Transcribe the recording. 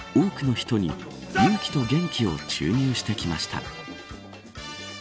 多くの人に勇気と元気を注入してきました。